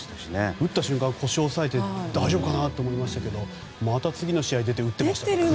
打った瞬間、腰を押さえて大丈夫かなと思いましたけどまた次の試合に出て打っていましたよね。